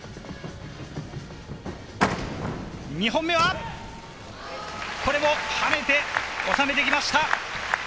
２本目は、これも跳ねて、収めてきました。